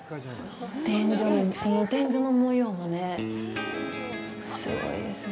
この天井の模様もね、すごいですね。